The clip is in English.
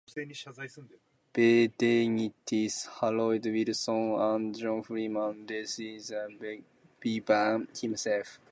Bevanites Harold Wilson and John Freeman resigned with Bevan himself.